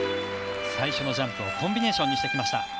最初のジャンプをコンビネーションにしてきました。